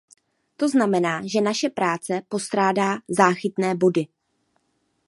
To znamená, že naše práce postrádá záchytné body.